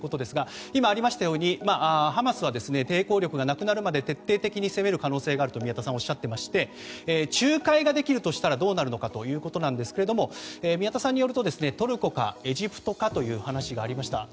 今あったようにハマスは抵抗力がなくなるまで徹底席に攻める可能性があるということで仲介ができるとしたらどうなるのかということですが宮田さんによると、トルコかエジプトかという話がありました。